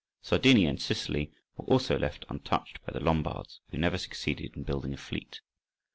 Sardinia and Sicily were also left untouched by the Lombards, who never succeeded in building a fleet.